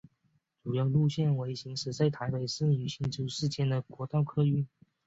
主要路线为行驶在台北市与新竹市间的国道客运。